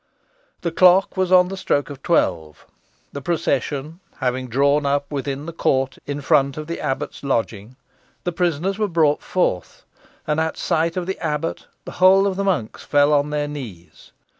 The clock was on the stroke of twelve. The procession having drawn up within the court in front of the abbot's lodging, the prisoners were brought forth, and at sight of the abbot the whole of the monks fell on their knees.